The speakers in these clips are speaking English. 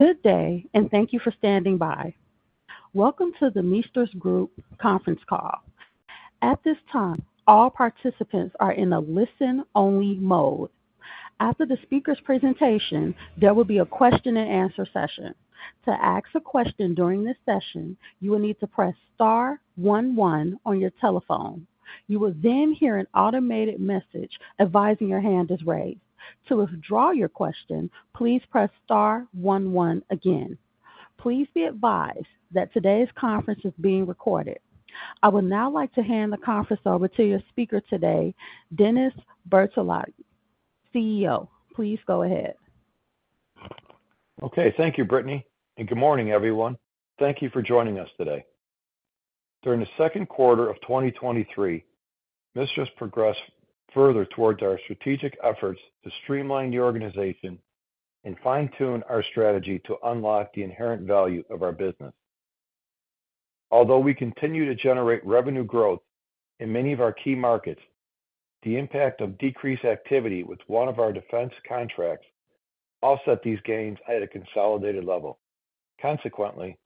Good day, thank you for standing by. Welcome to the MISTRAS Group conference call. At this time, all participants are in a listen-only mode. After the speaker's presentation, there will be a question-and-answer session. To ask a question during this session, you will need to press star one one on your telephone. You will hear an automated message advising your hand is raised. To withdraw your question, please press star one one again. Please be advised that today's conference is being recorded. I would now like to hand the conference over to your speaker today, Dennis Bertolotti, CEO. Please go ahead. Okay, thank you, Brittany. Good morning, everyone. Thank you for joining us today. During the second quarter of 2023, MISTRAS progressed further towards our strategic efforts to streamline the organization and fine-tune our strategy to unlock the inherent value of our business. Although we continue to generate revenue growth in many of our key markets, the impact of decreased activity with one of our defense contracts offset these gains at a consolidated level. Consequently,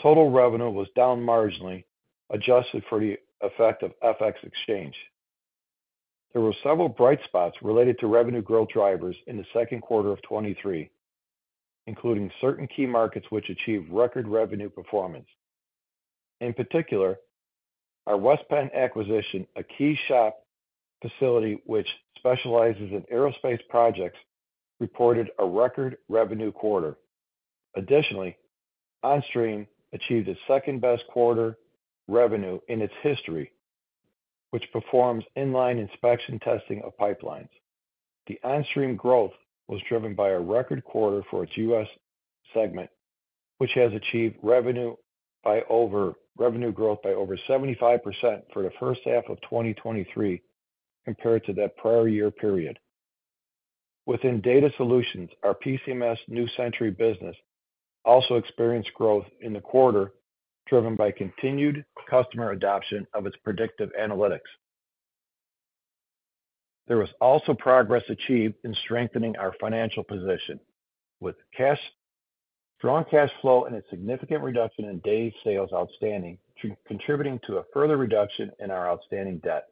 total revenue was down marginally, adjusted for the effect of FX exchange. There were several bright spots related to revenue growth drivers in the second quarter of 2023, including certain key markets which achieved record revenue performance. In particular, our West Penn acquisition, a key shop facility which specializes in aerospace projects, reported a record revenue quarter. Additionally, Onstream achieved its second-best quarter revenue in its history, which performs in-line inspection testing of pipelines. The Onstream growth was driven by a record quarter for its U.S. segment, which has achieved revenue growth by over 75% for the first half of 2023 compared to that prior year period. Within Data Solutions, our PCMS New Century business also experienced growth in the quarter, driven by continued customer adoption of its predictive analytics. There was also progress achieved in strengthening our financial position, with strong cash flow and a significant reduction in days sales outstanding, contributing to a further reduction in our outstanding debt.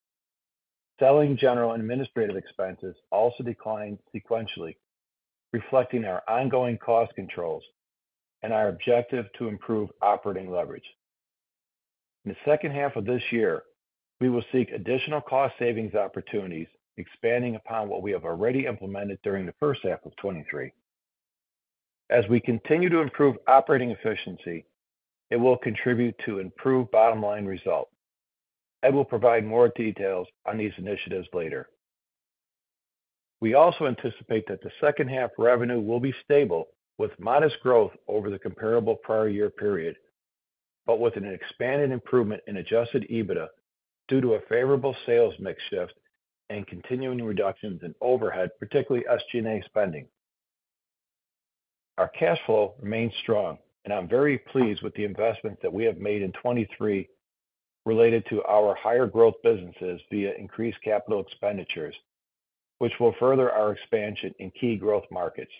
Selling, general, and administrative expenses also declined sequentially, reflecting our ongoing cost controls and our objective to improve operating leverage. In the second half of this year, we will seek additional cost savings opportunities, expanding upon what we have already implemented during the first half of 2023. As we continue to improve operating efficiency, it will contribute to improved bottom-line results. I will provide more details on these initiatives later. We also anticipate that the second half revenue will be stable, with modest growth over the comparable prior year period, but with an expanded improvement in adjusted EBITDA due to a favorable sales mix shift and continuing reductions in overhead, particularly SG&A spending. Our cash flow remains strong, and I'm very pleased with the investment that we have made in 2023 related to our higher growth businesses via increased capital expenditures, which will further our expansion in key growth markets.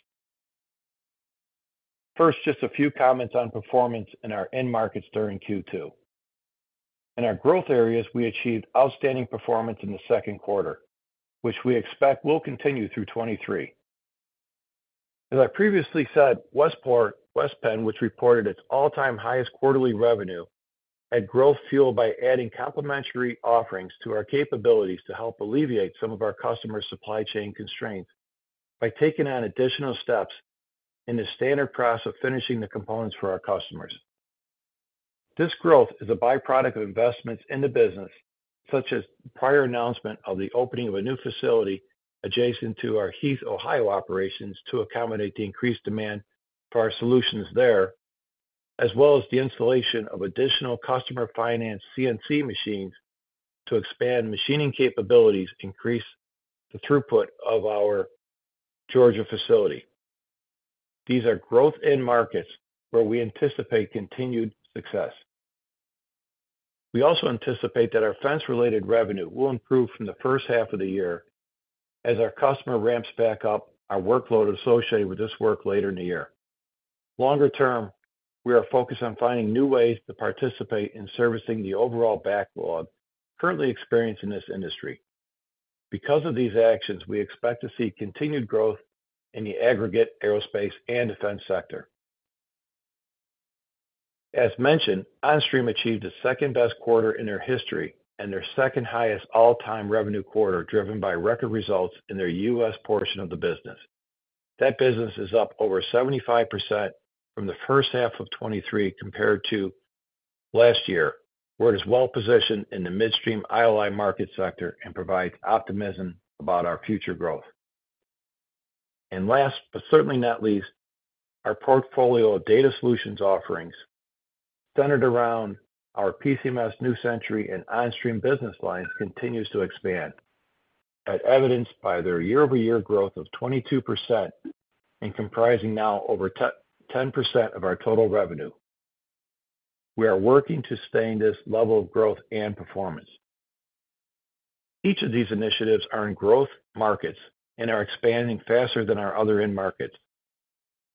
First, just a few comments on performance in our end markets during Q2. In our growth areas, we achieved outstanding performance in the second quarter, which we expect will continue through 2023. As I previously said, West Penn, which reported its all-time highest quarterly revenue at growth fuel by adding complementary offerings to our capabilities to help alleviate some of our customers' supply chain constraints by taking on additional steps in the standard process of finishing the components for our customers. This growth is a byproduct of investments in the business, such as prior announcement of the opening of a new facility adjacent to our Heath, Ohio, operations to accommodate the increased demand for our solutions there, as well as the installation of additional customer-financed CNC machines to expand machining capabilities, increase the throughput of our Georgia facility. These are growth end markets where we anticipate continued success. We also anticipate that our defense-related revenue will improve from the first half of the year as our customer ramps back up our workload associated with this work later in the year. Longer term, we are focused on finding new ways to participate in servicing the overall backlog currently experienced in this industry. Because of these actions, we expect to see continued growth in the aggregate, aerospace, and defense sector. As mentioned, Onstream achieved the second-best quarter in their history and their second-highest all-time revenue quarter, driven by record results in their U.S. portion of the business. That business is up over 75% from the first half of 2023 compared to last year, where it is well positioned in the midstream ILI market sector and provides optimism about our future growth. Last, but certainly not least, our portfolio of Data Solutions offerings centered around our PCMS New Century and Onstream business lines continues to expand, as evidenced by their year-over-year growth of 22% and comprising now over 10% of our total revenue. We are working to sustain this level of growth and performance. Each of these initiatives are in growth markets and are expanding faster than our other end markets.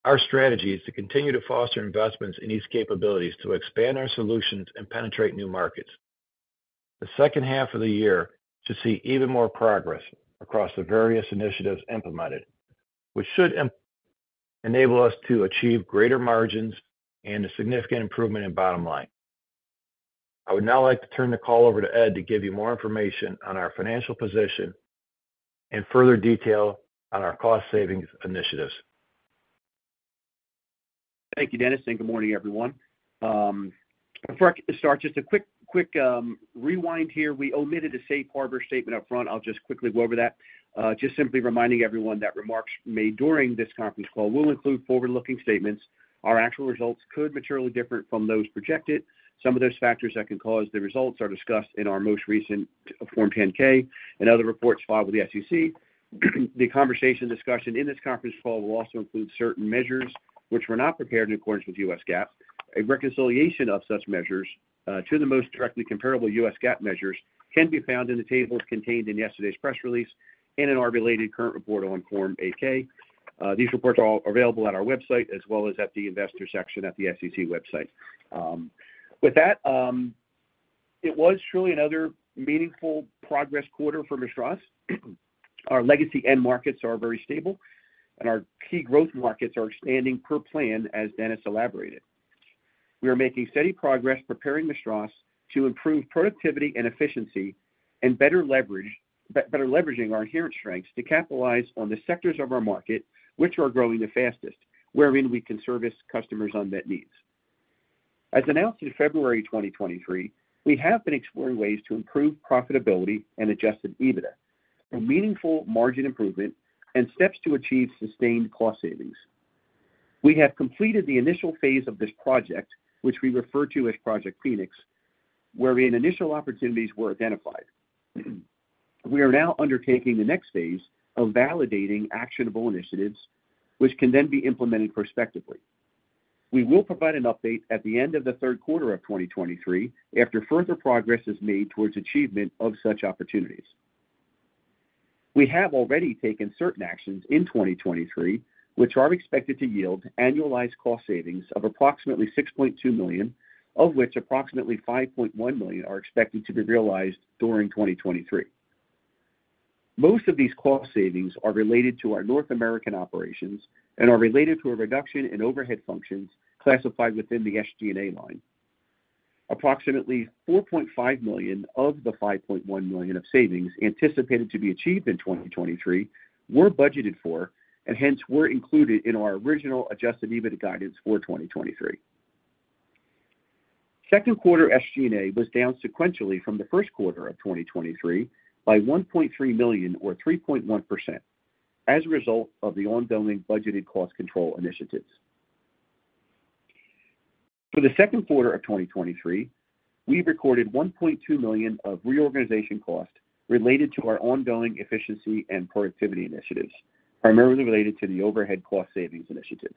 Our strategy is to continue to foster investments in these capabilities to expand our solutions and penetrate new markets. The second half of the year to see even more progress across the various initiatives implemented, which should enable us to achieve greater margins and a significant improvement in bottom line. I would now like to turn the call over to Ed to give you more information on our financial position and further detail on our cost savings initiatives. Thank you, Dennis, and good morning, everyone. Before I start, just a quick, quick rewind here. We omitted a safe harbor statement up front. I'll just quickly go over that. Just simply reminding everyone that remarks made during this conference call will include forward-looking statements. Our actual results could materially differ from those projected. Some of those factors that can cause the results are discussed in our most recent Form 10-K and other reports filed with the SEC. The conversation discussion in this conference call will also include certain measures which were not prepared in accordance with U.S. GAAP. A reconciliation of such measures to the most directly comparable U.S. GAAP measures can be found in the tables contained in yesterday's press release and in our related current report on Form 8-K. These reports are all available on our website as well as at the investor section at the SEC website. With that, it was truly another meaningful progress quarter for MISTRAS. Our legacy end markets are very stable, and our key growth markets are expanding per plan as Dennis elaborated. We are making steady progress preparing MISTRAS to improve productivity and efficiency and better leveraging our inherent strengths to capitalize on the sectors of our market, which are growing the fastest, wherein we can service customers' unmet needs. As announced in February 2023, we have been exploring ways to improve profitability and adjusted EBITDA, a meaningful margin improvement and steps to achieve sustained cost savings. We have completed the initial phase of this project, which we refer to as Project Phoenix, wherein initial opportunities were identified. We are now undertaking the next phase of validating actionable initiatives, which can then be implemented prospectively. We will provide an update at the end of the third quarter of 2023, after further progress is made towards achievement of such opportunities. We have already taken certain actions in 2023, which are expected to yield annualized cost savings of approximately $6.2 million, of which approximately $5.1 million are expected to be realized during 2023. Most of these cost savings are related to our North American operations and are related to a reduction in overhead functions classified within the SG&A line. Approximately $4.5 million of the $5.1 million of savings anticipated to be achieved in 2023 were budgeted for, and hence were included in our original adjusted EBITDA guidance for 2023. Second quarter SG&A was down sequentially from the first quarter of 2023 by $1.3 million or 3.1% as a result of the ongoing budgeted cost control initiatives. For the second quarter of 2023, we recorded $1.2 million of reorganization costs related to our ongoing efficiency and productivity initiatives, primarily related to the overhead cost savings initiatives.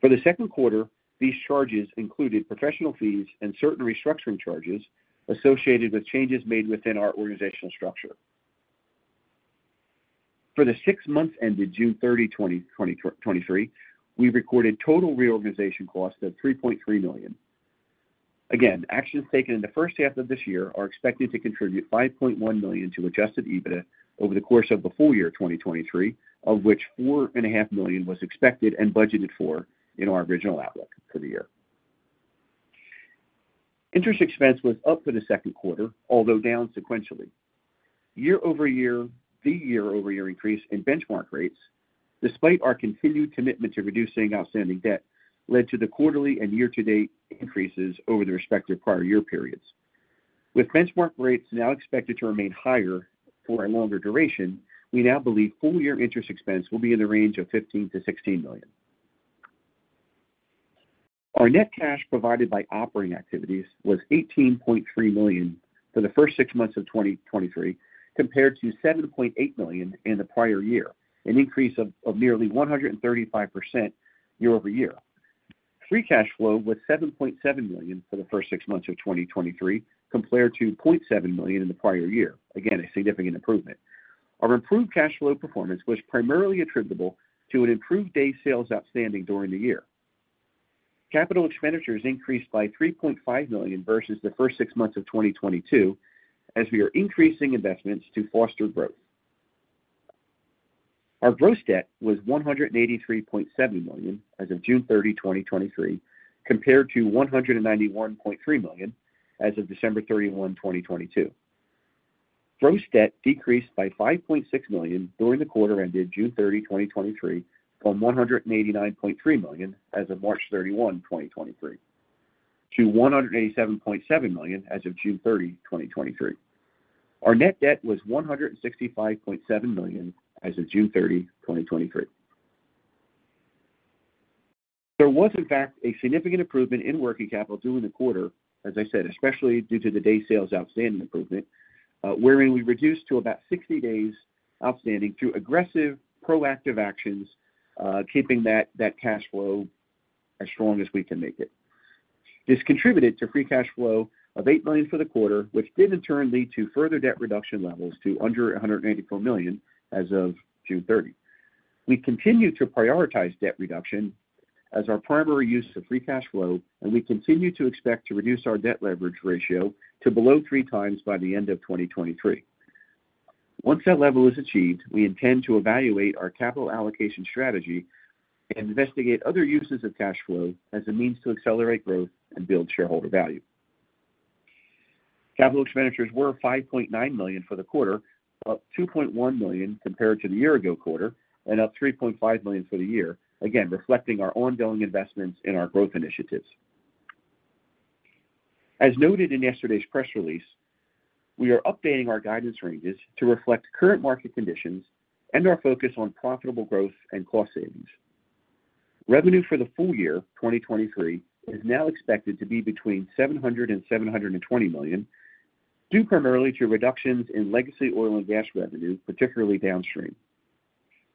For the second quarter, these charges included professional fees and certain restructuring charges associated with changes made within our organizational structure. For the six months ended June 30, 2023, we recorded total reorganization costs of $3.3 million. Again, actions taken in the first half of this year are expected to contribute $5.1 million to adjusted EBITDA over the course of the full year of 2023, of which $4.5 million was expected and budgeted for in our original outlook for the year. Interest expense was up for the second quarter, although down sequentially. Year-over-year, the year-over-year increase in benchmark rates, despite our continued commitment to reducing outstanding debt, led to the quarterly and year-to-date increases over the respective prior year periods. With benchmark rates now expected to remain higher for a longer duration, we now believe full-year interest expense will be in the range of $15 million-$16 million. Our net cash provided by operating activities was $18.3 million for the first six months of 2023, compared to $7.8 million in the prior year, an increase of nearly 135% year-over-year. Free cash flow was $7.7 million for the first six months of 2023, compared to $0.7 million in the prior year. Again, a significant improvement. Our improved cash flow performance was primarily attributable to an improved days sales outstanding during the year. Capital expenditures increased by $3.5 million versus the first six months of 2022, as we are increasing investments to foster growth. Our gross debt was $183.7 million as of June 30, 2023, compared to $191.3 million as of December 31, 2022. Gross debt decreased by $5.6 million during the quarter ended June 30, 2023, from $189.3 million as of March 31, 2023, to $187.7 million as of June 30, 2023. Our net debt was $165.7 million as of June 30, 2023. There was, in fact, a significant improvement in working capital during the quarter, as I said, especially due to the days sales outstanding improvement, wherein we reduced to about 60 days outstanding through aggressive, proactive actions, keeping that, that cash flow as strong as we can make it. This contributed to free cash flow of $8 million for the quarter, which did in turn lead to further debt reduction levels to under $184 million as of June 30. We continue to prioritize debt reduction as our primary use of free cash flow, and we continue to expect to reduce our debt leverage ratio to below three times by the end of 2023. Once that level is achieved, we intend to evaluate our capital allocation strategy and investigate other uses of cash flow as a means to accelerate growth and build shareholder value. Capital expenditures were $5.9 million for the quarter, up $2.1 million compared to the year-ago quarter, and up $3.5 million for the year, again, reflecting our ongoing investments in our growth initiatives. As noted in yesterday's press release, we are updating our guidance ranges to reflect current market conditions and our focus on profitable growth and cost savings. Revenue for the full year 2023 is now expected to be between $700 million and $720 million, due primarily to reductions in legacy oil and gas revenue, particularly downstream.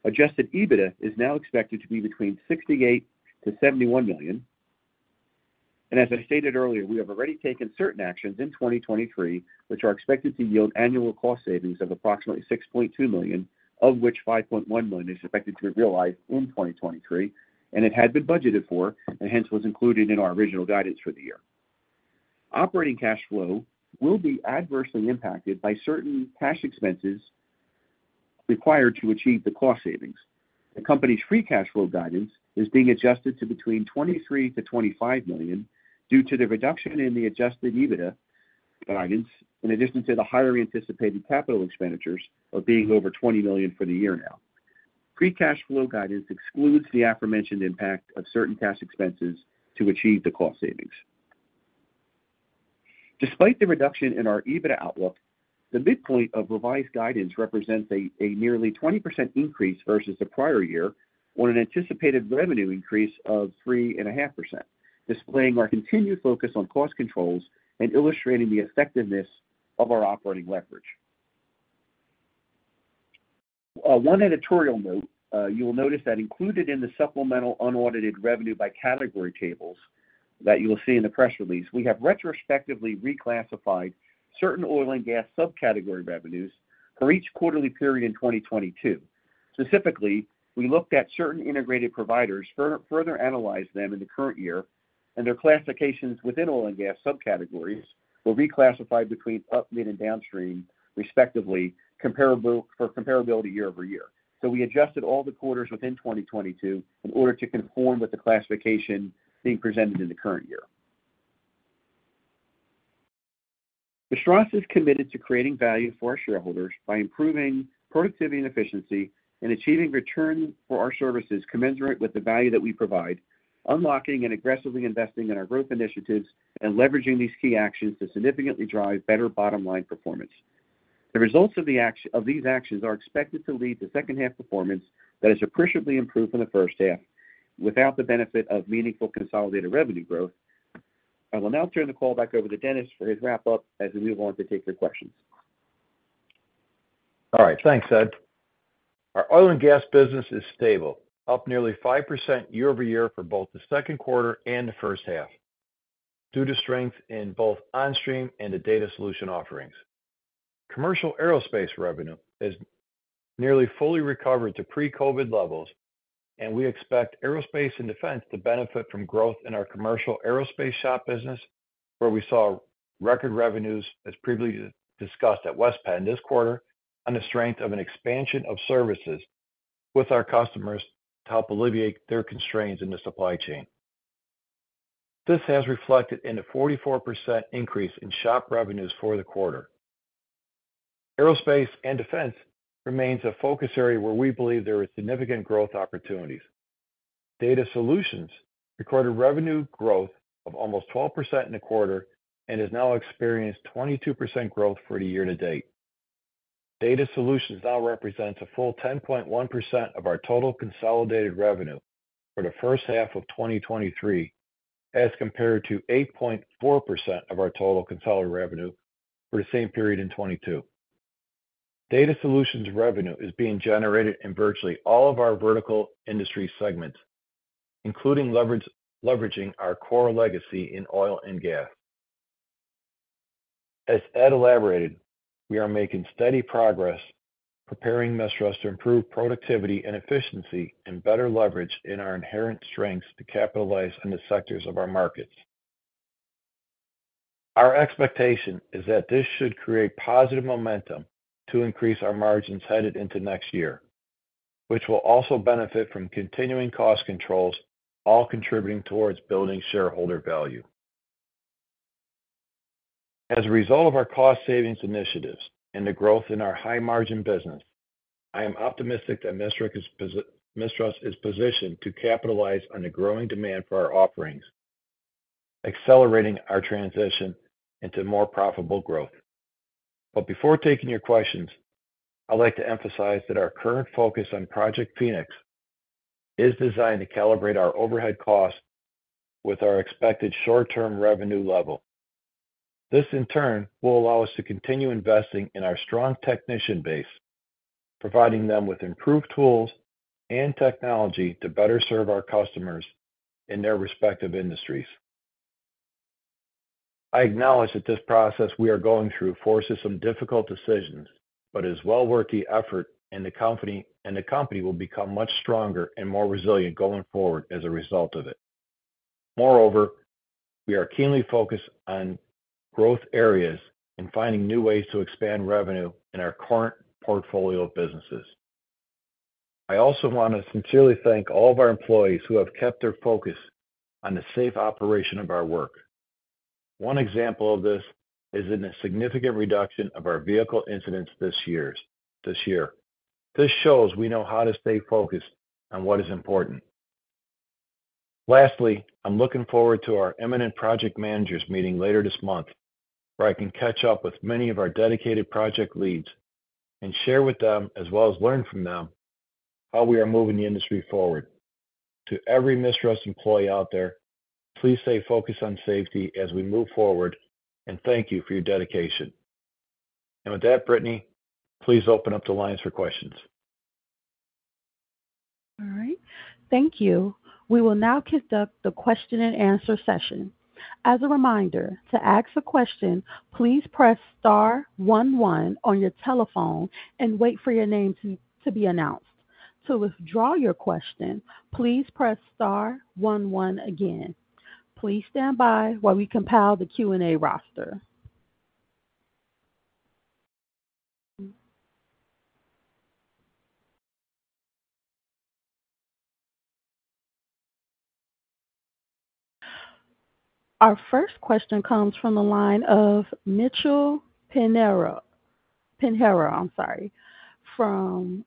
Adjusted EBITDA is now expected to be between $68 million-$71 million. As I stated earlier, we have already taken certain actions in 2023, which are expected to yield annual cost savings of approximately $6.2 million, of which $5.1 million is expected to be realized in 2023, and it had been budgeted for, and hence was included in our original guidance for the year. Operating cash flow will be adversely impacted by certain cash expenses required to achieve the cost savings. The company's free cash flow guidance is being adjusted to between $23 million-$25 million due to the reduction in the adjusted EBITDA guidance, in addition to the higher anticipated capital expenditures of being over $20 million for the year now. Free cash flow guidance excludes the aforementioned impact of certain cash expenses to achieve the cost savings. Despite the reduction in our EBITDA outlook, the midpoint of revised guidance represents a nearly 20% increase versus the prior year on an anticipated revenue increase of 3.5%, displaying our continued focus on cost controls and illustrating the effectiveness of our operating leverage. One editorial note, you will notice that included in the supplemental unaudited revenue by category tables that you will see in the press release, we have retrospectively reclassified certain oil and gas subcategory revenues for each quarterly period in 2022. Specifically, we looked at certain integrated providers further analyze them in the current year, and their classifications within oil and gas subcategories were reclassified between upstream and downstream, respectively, comparable, for comparability year-over-year. We adjusted all the quarters within 2022 in order to conform with the classification being presented in the current year. MISTRAS is committed to creating value for our shareholders by improving productivity and efficiency and achieving return for our services commensurate with the value that we provide, unlocking and aggressively investing in our growth initiatives, and leveraging these key actions to significantly drive better bottom line performance. The results of the action, of these actions are expected to lead to second half performance that has appreciably improved from the first half without the benefit of meaningful consolidated revenue growth. I will now turn the call back over to Dennis for his wrap-up as we move on to take your questions. All right, thanks, Ed. Our oil and gas business is stable, up nearly 5% year-over-year for both the second quarter and the first half, due to strength in both Onstream and the Data Solutions offerings. Commercial aerospace revenue has nearly fully recovered to pre-COVID levels. We expect aerospace and defense to benefit from growth in our commercial aerospace shop business, where we saw record revenues, as previously discussed at West Penn Testing this quarter, on the strength of an expansion of services with our customers to help alleviate their constraints in the supply chain. This has reflected in a 44% increase in shop revenues for the quarter. Aerospace and defense remains a focus area where we believe there are significant growth opportunities. Data Solutions recorded revenue growth of almost 12% in the quarter and has now experienced 22% growth for the year-to-date. Data Solutions now represents a full 10.1% of our total consolidated revenue for the first half of 2023, as compared to 8.4% of our total consolidated revenue for the same period in 2022. Data Solutions revenue is being generated in virtually all of our vertical industry segments, including leverage, leveraging our core legacy in oil and gas. As Ed elaborated, we are making steady progress, preparing MISTRAS to improve productivity and efficiency and better leverage in our inherent strengths to capitalize on the sectors of our markets. Our expectation is that this should create positive momentum to increase our margins headed into next year, which will also benefit from continuing cost controls, all contributing towards building shareholder value. As a result of our cost savings initiatives and the growth in our high-margin business, I am optimistic that MISTRAS is positioned to capitalize on the growing demand for our offerings, accelerating our transition into more profitable growth. Before taking your questions, I'd like to emphasize that our current focus on Project Phoenix is designed to calibrate our overhead costs with our expected short-term revenue level. This, in turn, will allow us to continue investing in our strong technician base, providing them with improved tools and technology to better serve our customers in their respective industries. I acknowledge that this process we are going through forces some difficult decisions, but is well worth the effort, and the company, and the company will become much stronger and more resilient going forward as a result of it. Moreover, we are keenly focused on growth areas and finding new ways to expand revenue in our current portfolio of businesses. I also want to sincerely thank all of our employees who have kept their focus on the safe operation of our work. One example of this is in a significant reduction of our vehicle incidents this year. This shows we know how to stay focused on what is important. Lastly, I'm looking forward to our eminent project managers meeting later this month, where I can catch up with many of our dedicated project leads and share with them, as well as learn from them, how we are moving the industry forward. To every MISTRAS employee out there, please stay focused on safety as we move forward, and thank you for your dedication. With that, Brittany, please open up the lines for questions. All right. Thank you. We will now conduct the question and answer session. As a reminder, to ask a question, please press star one one on your telephone and wait for your name to be announced. To withdraw your question, please press star one one again. Please stand by while we compile the Q&A roster. Our first question comes from the line of Mitchell Pinheiro. Pinheiro, I'm sorry, from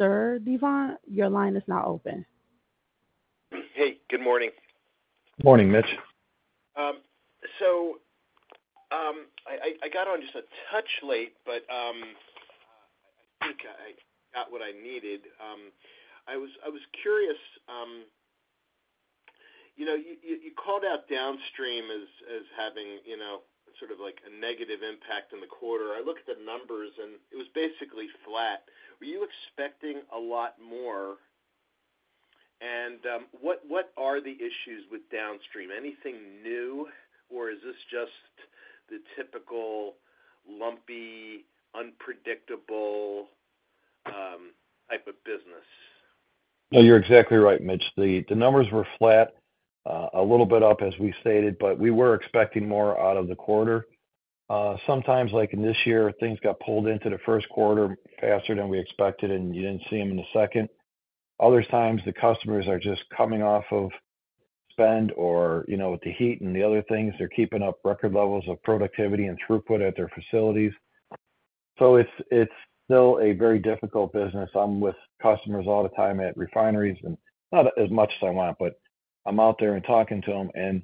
Sturdivant. Your line is now open. Hey, good morning. Morning, Mitch. I got on just a touch late, but, I think I got what I needed. I was curious, you know, you called out downstream as, as having, you know, sort of like a negative impact in the quarter. I looked at the numbers, and it was basically flat. Were you expecting a lot more? What are the issues with downstream? Anything new, or is this just the typical lumpy, unpredictable, type of business? Well, you're exactly right, Mitch. The, the numbers were flat, a little bit up, as we stated, but we were expecting more out of the quarter. Sometimes, like in this year, things got pulled into the first quarter faster than we expected, and you didn't see them in the second. Other times, the customers are just coming off of spend or, you know, the heat and the other things. They're keeping up record levels of productivity and throughput at their facilities. It's, it's still a very difficult business. I'm with customers all the time at refineries and not as much as I want, but I'm out there and talking to them, and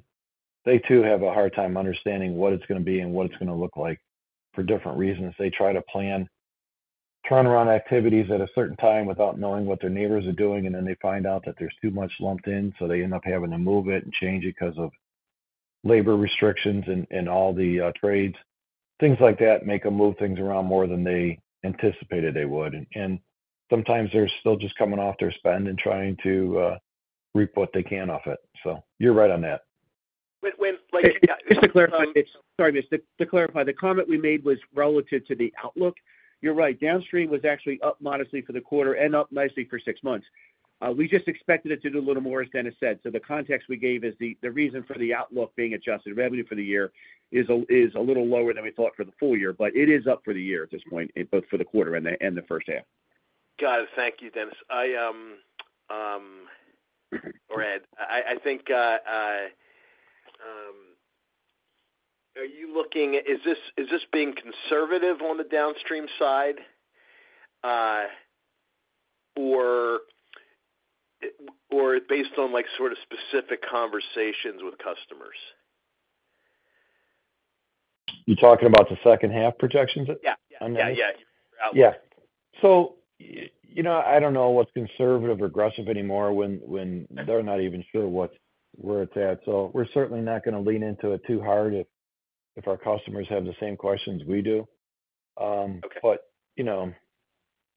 they, too, have a hard time understanding what it's going to be and what it's going to look like for different reasons. They try to plan turnaround activities at a certain time without knowing what their neighbors are doing, and then they find out that there's too much lumped in, so they end up having to move it and change it because of labor restrictions and, and all the trades. Things like that make them move things around more than they anticipated they would. Sometimes they're still just coming off their spend and trying to reap what they can off it. You're right on that. When? Just to clarify, Mitch. Sorry, Mitch. To clarify, the comment we made was relative to the outlook. You're right, downstream was actually up modestly for the quarter and up nicely for six months. We just expected it to do a little more, as Dennis said. The context we gave is the reason for the outlook being adjusted. Revenue for the year is a little lower than we thought for the full year, but it is up for the year at this point, both for the quarter and the first half. Got it. Thank you, Dennis. I, or Ed, I, I think, is this, is this being conservative on the downstream side, or, or based on, like, sort of specific conversations with customers? You talking about the second half projections? Yeah. On this? Yeah, yeah. Yeah. You know, I don't know what's conservative or aggressive anymore when, when they're not even sure where it's at. We're certainly not going to lean into it too hard if, if our customers have the same questions we do. You know,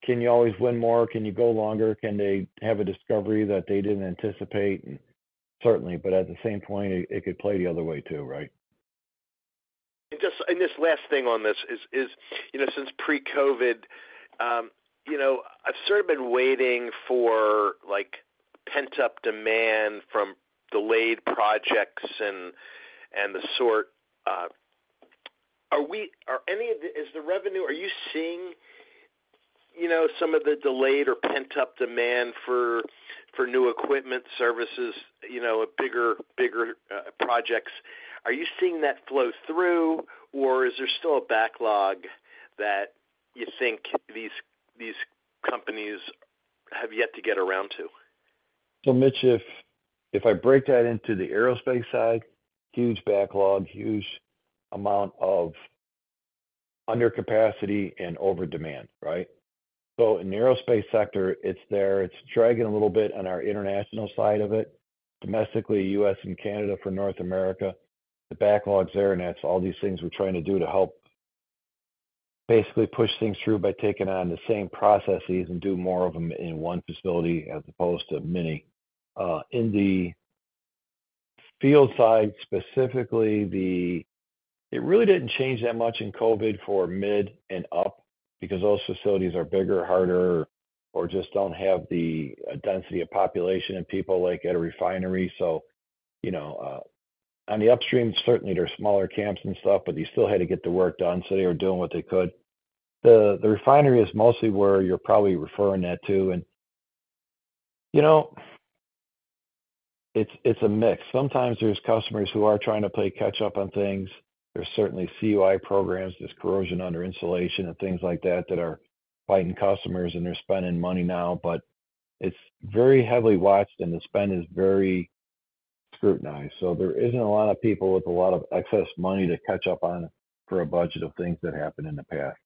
can you always win more? Can you go longer? Can they have a discovery that they didn't anticipate? Certainly, but at the same point, it could play the other way, too, right? Just, and this last thing on this is, you know, since pre-COVID, you know, I've sort of been waiting for, like, pent-up demand from delayed projects and, and the sort. Is the revenue-- are you seeing, you know, some of the delayed or pent-up demand for, for new equipment services, you know, a bigger, bigger, projects? Are you seeing that flow through, or is there still a backlog that you think these, these companies have yet to get around to? Mitch, if, if I break that into the aerospace side, huge backlog, huge amount of under capacity and over demand, right? In the aerospace sector, it's there. It's dragging a little bit on our international side of it. Domestically, U.S. and Canada, for North America, the backlog's there, and that's all these things we're trying to do to help basically push things through by taking on the same processes and do more of them in one facility as opposed to many. In the field side, specifically, it really didn't change that much in COVID for mid and up because those facilities are bigger, harder, or just don't have the density of population and people like at a refinery. You know, on the upstream, certainly there are smaller camps and stuff, but you still had to get the work done, so they were doing what they could. The, the refinery is mostly where you're probably referring that to. You know, it's, it's a mix. Sometimes there's customers who are trying to play catch up on things. There's certainly CUI programs, there's corrosion under insulation and things like that, that are biting customers, and they're spending money now, but it's very heavily watched and the spend is very scrutinized. There isn't a lot of people with a lot of excess money to catch up on for a budget of things that happened in the past.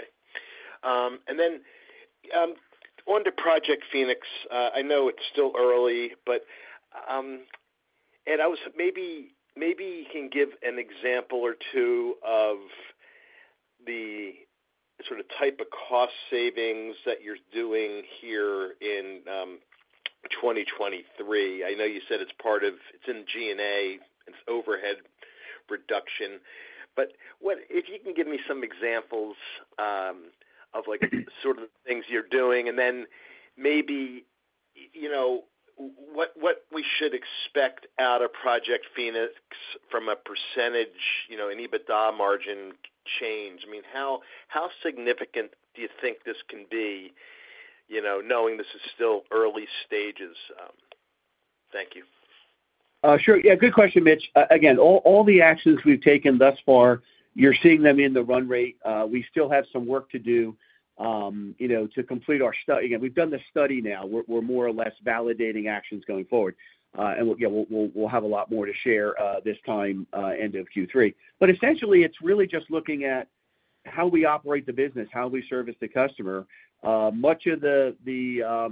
Okay. And then, on to Project Phoenix, I know it's still early, but, maybe, maybe you can give an example or two of the sort of type of cost savings that you're doing here in 2023. I know you said it's in G&A, it's overhead reduction. If you can give me some examples, of like, the sort of things you're doing, and then maybe, you know, what, what we should expect out of Project Phoenix from a percentage, you know, an EBITDA margin change. I mean, how, how significant do you think this can be, you know, knowing this is still early stages? Thank you. Sure. Yeah, good question, Mitch. Again, all, all the actions we've taken thus far, you're seeing them in the run rate. We still have some work to do, you know, to complete our study again, we've done the study now. We're, we're more or less validating actions going forward. And, yeah, we'll have a lot more to share, this time, end of Q3. Essentially, it's really just looking at how we operate the business, how we service the customer. Much of the, the,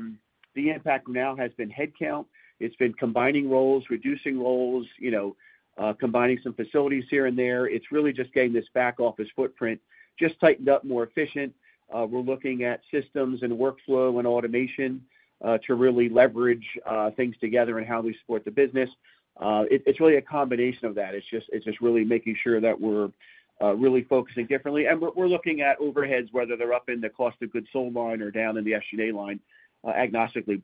the impact now has been headcount. It's been combining roles, reducing roles, you know, combining some facilities here and there. It's really just getting this back office footprint just tightened up, more efficient. We're looking at systems and workflow and automation to really leverage things together and how we support the business. It's really a combination of that. It's just really making sure that we're really focusing differently. We're looking at overheads, whether they're up in the cost of goods sold line or down in the SG&A line agnostically.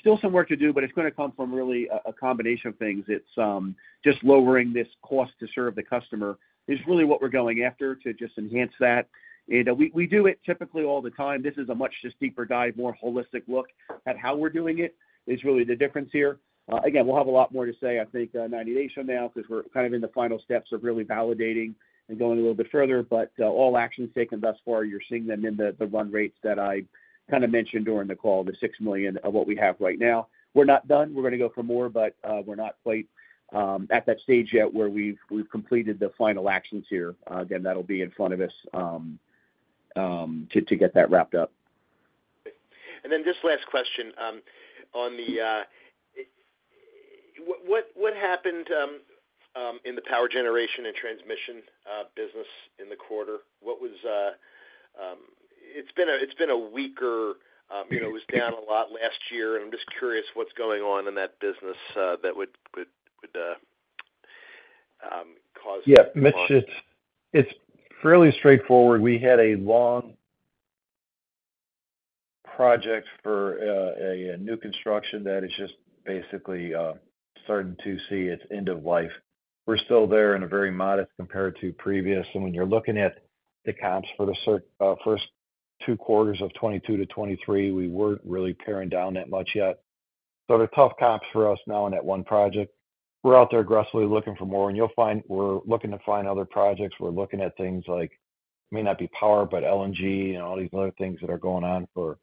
Still some work to do, but it's going to come from really a combination of things. It's just lowering this cost to serve the customer is really what we're going after to just enhance that. We do it typically all the time. This is a much deeper dive, more holistic look at how we're doing it, is really the difference here. Again, we'll have a lot more to say, I think, 90 days from now, because we're kind of in the final steps of really validating and going a little bit further. All actions taken thus far, you're seeing them in the, the run rates that I kind of mentioned during the call, the $6 million of what we have right now. We're not done. We're going to go for more, but we're not quite at that stage yet where we've, we've completed the final actions here. That'll be in front of us to get that wrapped up. This last question, on the, what, what, what happened, in the power generation and transmission business in the quarter? It's been a, it's been a weaker, you know, it was down a lot last year, and I'm just curious what's going on in that business, that would, would, would, cause- Yeah, Mitch, it's, it's fairly straightforward. We had a long project for a new construction that is just basically starting to see its end of life. We're still there in a very modest compared to previous, and when you're looking at the comps for the first two quarters of 2022 to 2023, we weren't really paring down that much yet. They're tough comps for us now in that one project. We're out there aggressively looking for more, and you'll find we're looking to find other projects. We're looking at things like, may not be power, but LNG and all these other things that are going on for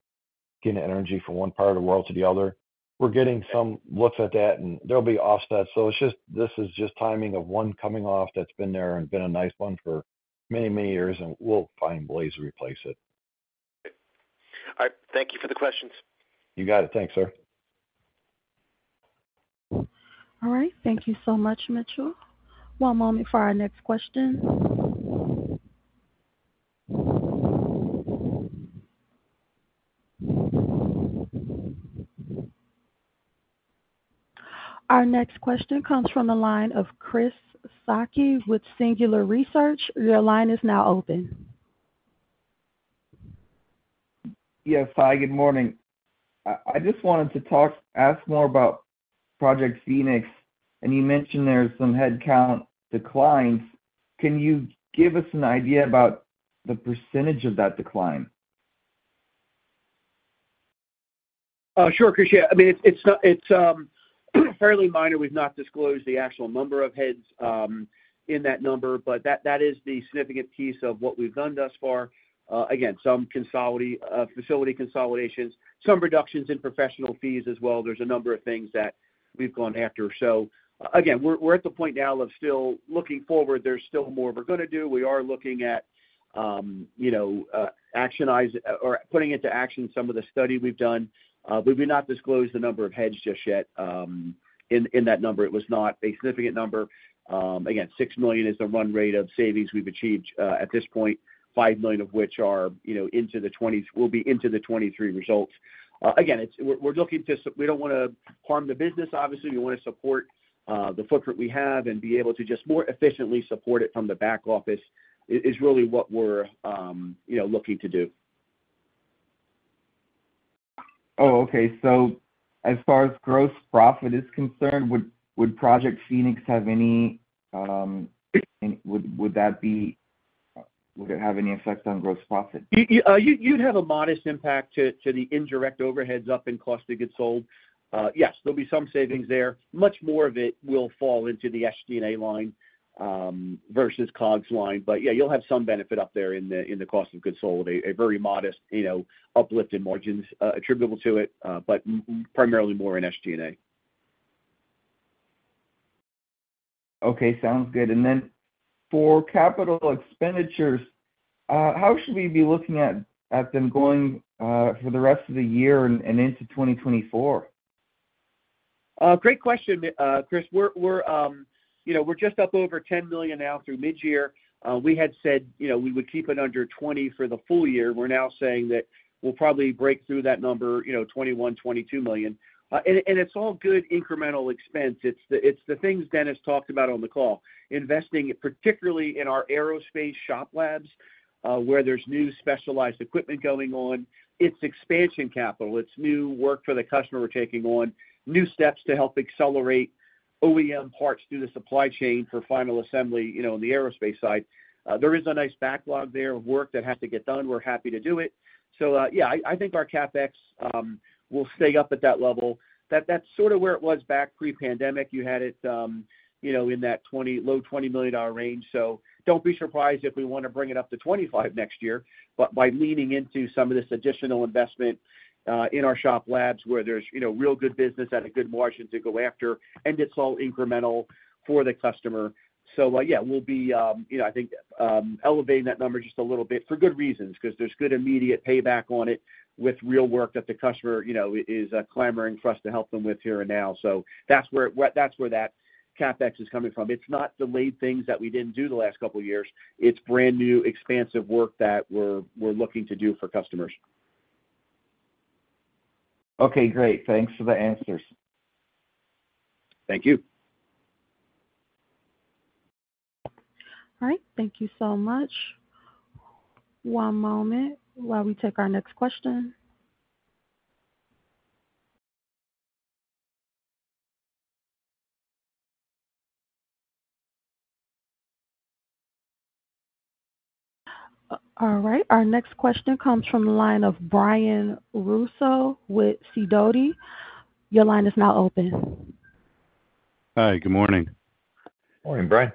getting energy from one part of the world to the other. We're getting some looks at that, and there'll be offsets. It's just timing of one coming off that's been there and been a nice one for many, many years, and we'll find ways to replace it. All right. Thank you for the questions. You got it. Thanks, sir. All right. Thank you so much, Mitchell. One moment for our next question. Our next question comes from the line of Chris Sakai with Singular Research. Your line is now open. Yes. Hi, good morning. I just wanted to ask more about Project Phoenix, and you mentioned there's some headcount declines. Can you give us an idea about the percentage of that decline? Sure, Chris. Yeah, I mean, it's fairly minor. We've not disclosed the actual number of heads in that number, but that, that is the significant piece of what we've done thus far. Again, some consolidation, facility consolidations, some reductions in professional fees as well. There's a number of things that we've gone after. Again, we're at the point now of still looking forward. There's still more we're gonna do. We are looking at, you know, actionize or putting into action some of the study we've done. We've not disclosed the number of heads just yet in, in that number. It was not a significant number. Again, $6 million is the run rate of savings we've achieved at this point, $5 million of which are, you know, will be into the 2023 results. Again, we don't wanna harm the business, obviously. We want to support the footprint we have and be able to just more efficiently support it from the back office, is really what we're, you know, looking to do. As far as gross profit is concerned, would Project Phoenix have any effect on gross profit? You, you'd have a modest impact to, to the indirect overheads up in cost of goods sold. Yes, there'll be some savings there. Much more of it will fall into the SG&A line versus COGS line. Yeah, you'll have some benefit up there in the, in the cost of goods sold, a very modest, you know, uplift in margins attributable to it, primarily more in SG&A. Okay, sounds good. And then for capital expenditures, how should we be looking at, at them going for the rest of the year and, and into 2024? Great question, Chris. We're, you know, we're just up over $10 million now through midyear. We had said, you know, we would keep it under 20 for the full year. We're now saying that we'll probably break through that number, you know, $21 million-$22 million. It's all good incremental expense. It's the things Dennis talked about on the call. Investing, particularly in our aerospace shop labs, where there's new specialized equipment going on. It's expansion capital. It's new work for the customer we're taking on, new steps to help accelerate OEM parts through the supply chain for final assembly, you know, on the aerospace side. There is a nice backlog there of work that has to get done. We're happy to do it. Yeah, I think our CapEx will stay up at that level. That's sort of where it was back pre-pandemic. You had it, you know, in that $20, low $20 million range. Don't be surprised if we want to bring it up to $25 next year, but by leaning into some of this additional investment in our shop labs, where there's, you know, real good business at a good margin to go after, and it's all incremental for the customer. Yeah, we'll be, you know, I think, elevating that number just a little bit for good reasons, 'cause there's good immediate payback on it with real work that the customer, you know, is clamoring for us to help them with here and now. That's where that CapEx is coming from. It's not delayed things that we didn't do the last couple of years. It's brand-new, expansive work that we're looking to do for customers. Okay, great. Thanks for the answers. Thank you. All right. Thank you so much. One moment while we take our next question. All right, our next question comes from the line of Brian Russo with Sidoti. Your line is now open. Hi, good morning. Morning, Brian.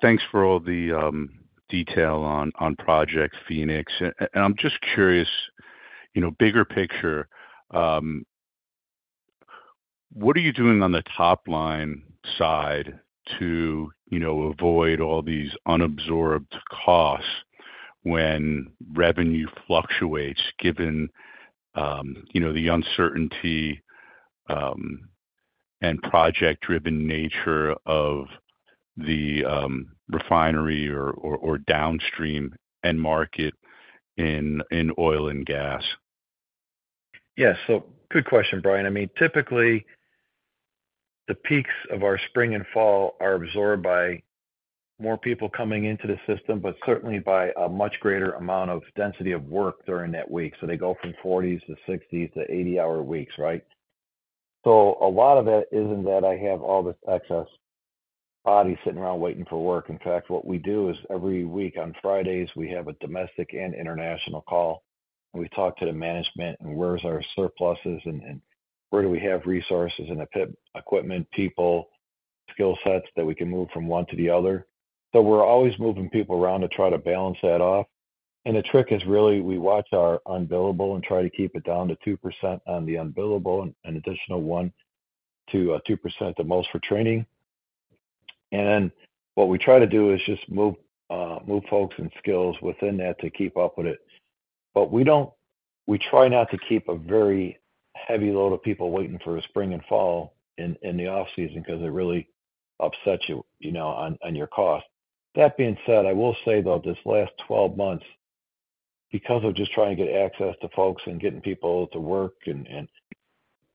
Thanks for all the detail on Project Phoenix. I'm just curious, you know, bigger picture, what are you doing on the top-line side to, you know, avoid all these unabsorbed costs when revenue fluctuates, given, you know, the uncertainty, and project-driven nature of the refinery or downstream end market in oil and gas? Yes. Good question, Brian. I mean, typically, the peaks of our spring and fall are absorbed by more people coming into the system, but certainly by a much greater amount of density of work during that week. They go from 40-hour to 60-hour to 80-hour weeks, right? A lot of it isn't that I have all this excess bodies sitting around waiting for work. In fact, what we do is, every week on Fridays, we have a domestic and international call, and we talk to the management on where is our surpluses and, and where do we have resources and equipment, people, skill sets that we can move from one to the other. We're always moving people around to try to balance that off. The trick is really, we watch our unbillable and try to keep it down to 2% on the unbillable and additional 1% to 2% at most for training. What we try to do is just move, move folks and skills within that to keep up with it. We don't, we try not to keep a very heavy load of people waiting for the spring and fall in, in the off-season because it really upsets you, you know, on, on your cost. That being said, I will say, though, this last 12 months, because of just trying to get access to folks and getting people to work, and, and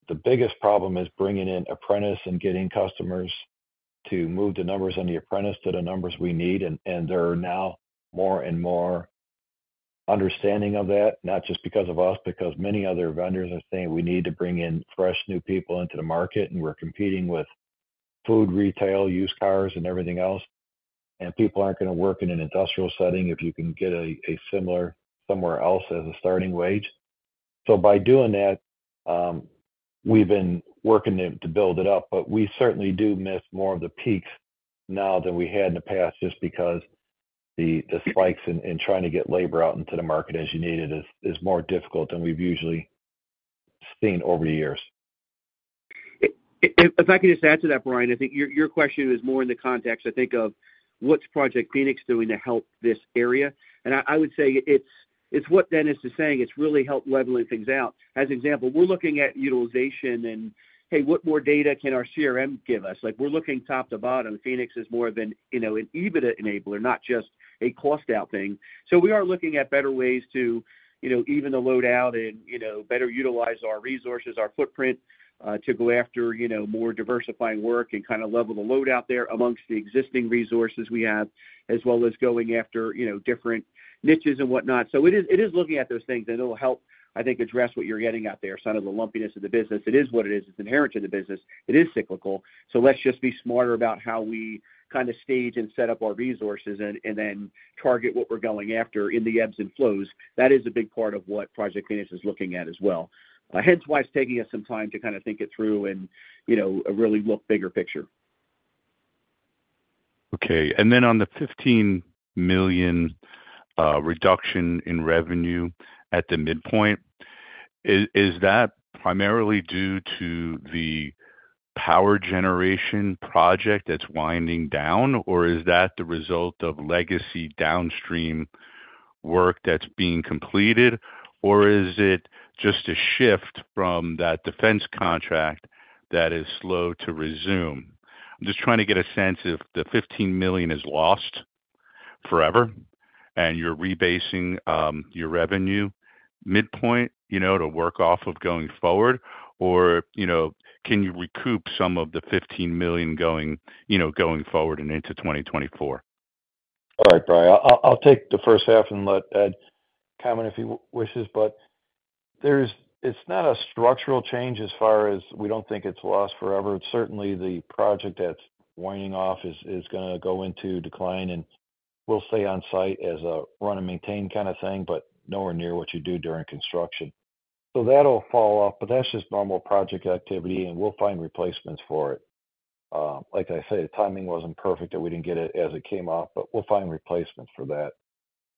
the biggest problem is bringing in apprentice and getting customers to move the numbers on the apprentice to the numbers we need. They're now more and more understanding of that, not just because of us, because many other vendors are saying we need to bring in fresh, new people into the market, and we're competing with food, retail, used cars, and everything else. And people aren't going to work in an industrial setting if you can get a, a similar somewhere else as a starting wage. So by doing that, we've been working to, to build it up, but we certainly do miss more of the peaks now than we had in the past, just because the, the spikes and, and trying to get labor out into the market as you need it is, is more difficult than we've usually seen over the years. If I could just add to that, Brian, I think your, your question is more in the context, I think, of what's Project Phoenix doing to help this area? I, I would say it's, it's what Dennis is saying. It's really helped leveling things out. As an example, we're looking at utilization and, hey, what more data can our CRM give us? Like, we're looking top to bottom. Phoenix is more than, you know, an EBITDA enabler, not just a cost out thing. We are looking at better ways to, you know, even the load out and, you know, better utilize our resources, our footprint, to go after, you know, more diversifying work and kind of level the load out there amongst the existing resources we have, as well as going after, you know, different niches and whatnot. It is, it is looking at those things, and it'll help, I think, address what you're getting at there, some of the lumpiness of the business. It is what it is. It's inherent to the business. It is cyclical, so let's just be smarter about how we kind of stage and set up our resources and, and then target what we're going after in the ebbs and flows. That is a big part of what Project Phoenix is looking at as well. Hence why it's taking us some time to kind of think it through and, you know, really look bigger picture. Okay. Then on the $15 million reduction in revenue at the midpoint, is, is that primarily due to the power generation project that's winding down? Or is that the result of legacy downstream work that's being completed? Or is it just a shift from that Defense contract that is slow to resume? I'm just trying to get a sense if the $15 million is lost forever, and you're rebasing your revenue midpoint, you know, to work off of going forward, or, you know, can you recoup some of the $15 million going, you know, going forward and into 2024? All right, Brian. I'll, I'll take the first half and let Ed comment if he wishes. It's not a structural change as far as we don't think it's lost forever. Certainly, the project that's waning off is, is gonna go into decline, and we'll stay on site as a run and maintain kind of thing, but nowhere near what you do during construction. That'll fall off, but that's just normal project activity, and we'll find replacements for it. Like I say, the timing wasn't perfect, and we didn't get it as it came off, but we'll find replacements for that.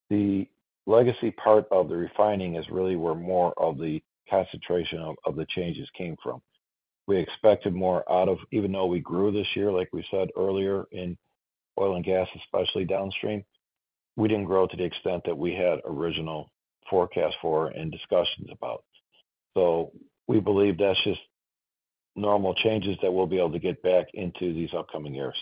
The legacy part of the refining is really where more of the concentration of, of the changes came from. We expected more even though we grew this year, like we said earlier, in oil and gas, especially downstream, we didn't grow to the extent that we had original forecast for and discussions about. We believe that's just normal changes that we'll be able to get back into these upcoming years.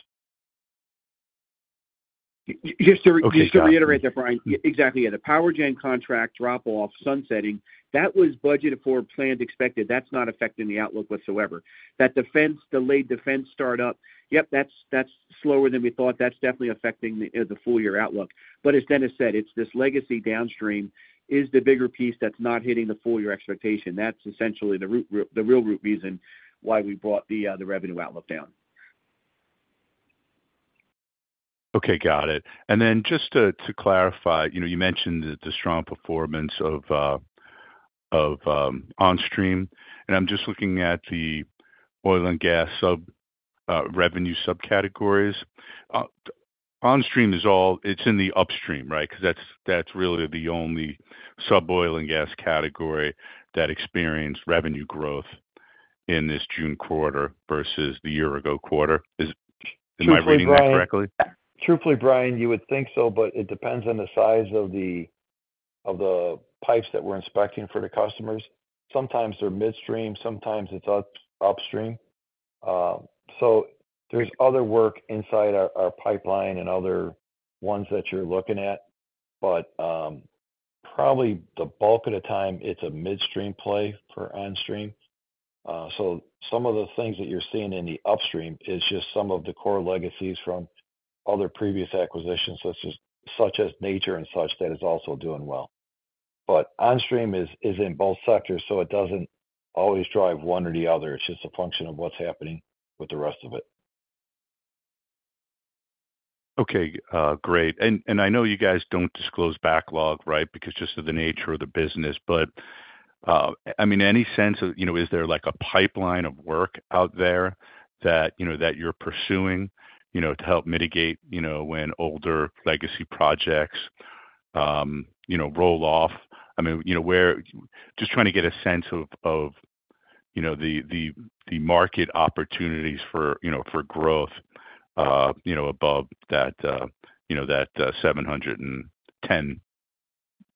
Okay, got it. Just to reiterate that, Brian. Exactly, yeah. The power gen contract drop off, sunsetting, that was budgeted for, planned, expected. That's not affecting the outlook whatsoever. That Defense, delayed Defense start up, yep, that's, that's slower than we thought. That's definitely affecting the full year outlook. As Dennis said, it's this legacy downstream is the bigger piece that's not hitting the full year expectation. That's essentially the real root reason why we brought the revenue outlook down. Okay, got it. Then just to, to clarify, you know, you mentioned the strong performance of Onstream, and I'm just looking at the oil and gas sub revenue subcategories. Onstream it's in the upstream, right? Because that's, that's really the only sub-oil and gas category that experienced revenue growth in this June quarter versus the year ago quarter. Am I reading that correctly? Truthfully, Brian, you would think so, but it depends on the size of the pipes that we're inspecting for the customers. Sometimes they're midstream, sometimes it's upstream. There's other work inside our, our pipeline and other ones that you're looking at, but probably the bulk of the time, it's a midstream play for Onstream. Some of the things that you're seeing in the upstream is just some of the core legacies from other previous acquisitions, such as, such as Nature and such, that is also doing well. Onstream is, is in both sectors, so it doesn't always drive one or the other. It's just a function of what's happening with the rest of it. Okay, great. I know you guys don't disclose backlog, right, because just of the nature of the business. I mean, any sense of, you know, is there like a pipeline of work out there that, you know, that you're pursuing, you know, to help mitigate, you know, when older legacy projects, you know, roll off? I mean, you know, where-- just trying to get a sense of, of, you know, the, the, the market opportunities for, you know, for growth, you know, above that, you know, that, $710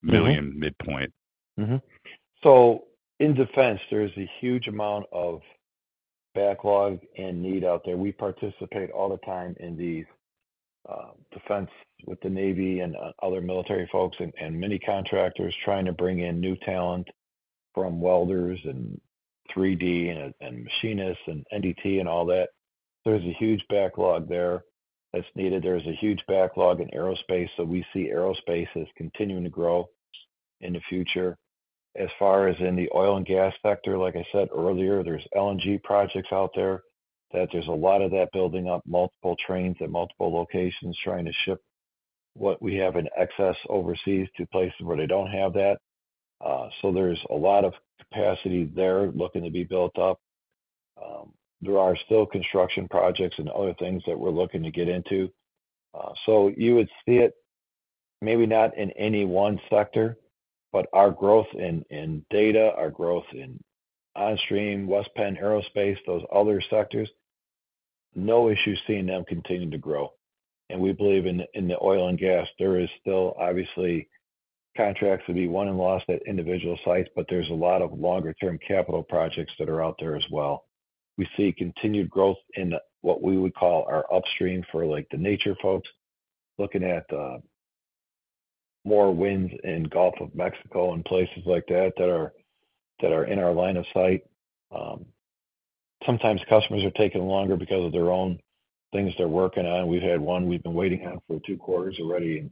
million midpoint. Mm-hmm. In defense, there is a huge amount of backlog and need out there. We participate all the time in the defense with the Navy and other military folks and many contractors trying to bring in new talent from welders and 3D and machinists and NDT and all that. There's a huge backlog there that's needed. There's a huge backlog in aerospace, we see aerospace as continuing to grow in the future. As far as in the oil and gas sector, like I said earlier, there's LNG projects out there, that there's a lot of that building up, multiple trains at multiple locations, trying to ship what we have in excess overseas to places where they don't have that. There's a lot of capacity there looking to be built up. There are still construction projects and other things that we're looking to get into. You would see it maybe not in any one sector, but our growth in, in Data, our growth in Onstream, West Penn Aerospace, those other sectors, no issue seeing them continue to grow. We believe in, in the oil and gas, there is still obviously contracts to be won and lost at individual sites, but there's a lot of longer-term capital projects that are out there as well. We see continued growth in what we would call our upstream for, like, the Nature folks, looking at, more winds in Gulf of Mexico and places like that, that are, that are in our line of sight. Sometimes customers are taking longer because of their own things they're working on. We've had one we've been waiting on for two quarters already,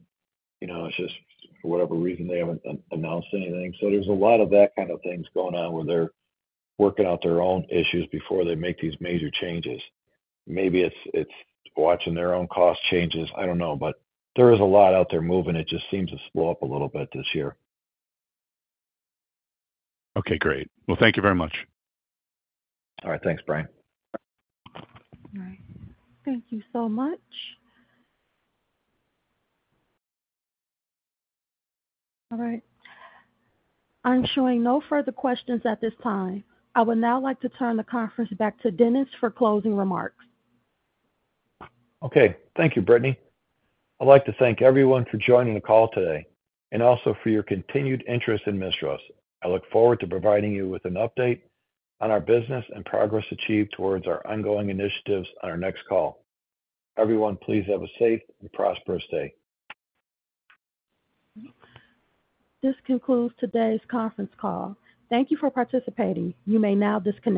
you know, it's just for whatever reason, they haven't announced anything. There's a lot of that kind of things going on, where they're working out their own issues before they make these major changes. Maybe it's, it's watching their own cost changes. I don't know, but there is a lot out there moving. It just seems to slow up a little bit this year. Okay, great. Well, thank you very much. All right. Thanks, Brian. All right. Thank you so much. All right. I'm showing no further questions at this time. I would now like to turn the conference back to Dennis for closing remarks. Okay. Thank you, Brittany. I'd like to thank everyone for joining the call today and also for your continued interest in MISTRAS. I look forward to providing you with an update on our business and progress achieved towards our ongoing initiatives on our next call. Everyone, please have a safe and prosperous day. This concludes today's conference call. Thank you for participating. You may now disconnect.